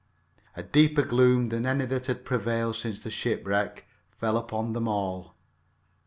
A deeper gloom than any that had prevailed since the shipwreck fell upon them all.